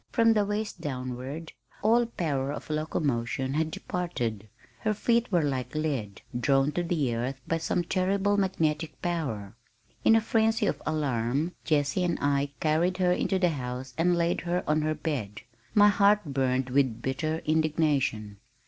From the waist downward all power of locomotion had departed. Her feet were like lead, drawn to the earth by some terrible magnetic power. In a frenzy of alarm, Jessie and I carried her into the house and laid her on her bed. My heart burned with bitter indignation.